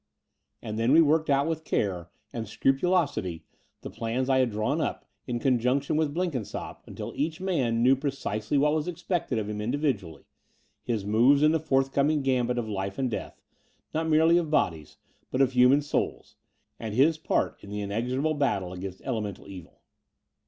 And then we worked out with care and scrupu losity the plans I had drawn up in conjunction with Blenkinsopp, until each man knew precisely what was expected of him individually, his moves in the forthcoming gambit of life and death, not merely of bodies, but of human souls, and his part in the inexorable battle against elemental evil.